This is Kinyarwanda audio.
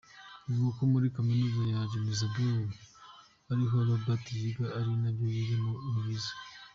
Bivugwa ko muri Kaminuza ya Johannesburg ariho Robert yiga ariko ibyo yigamo ntibizwi.